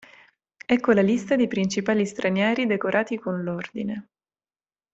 Ecco la lista dei principali stranieri decorati con l'ordine.